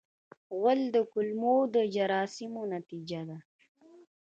غول د کولمو د جراثیم نتیجه ده.